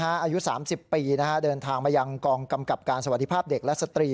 อายุ๓๐ปีเดินทางมายังกองกำกับการสวัสดีภาพเด็กและสตรี